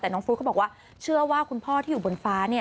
แต่น้องฟู้ดเขาบอกว่าเชื่อว่าคุณพ่อที่อยู่บนฟ้าเนี่ย